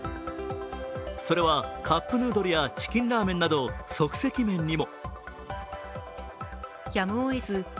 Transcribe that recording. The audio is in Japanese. それはカップヌードルやチキンラーメンなど即席麺にも。